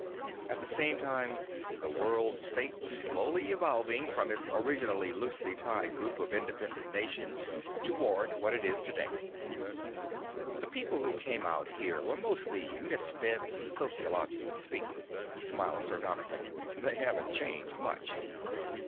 At the same time, the World State was slowly evolving from its original loosely tied group of independent nations toward what it is today. "The people who came out here were mostly misfits, sociologically speaking." He smiled sardonically. "They haven't changed much.